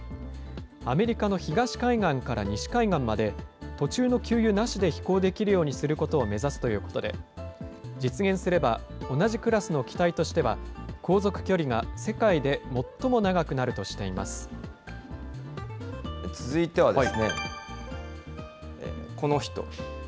アメリカの東海岸から西海岸まで、途中の給油なしで飛行できるようにすることを目指すということで、実現すれば同じクラスの機体としては航続距離が世界で最も長くな続いては、この人。